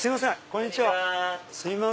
こんにちは。